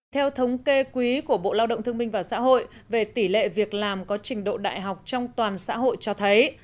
theo thống kê quý của bộ lao động thương minh và xã hội về tỷ lệ việc làm có trình độ đại học trong toàn xã hội cho thấy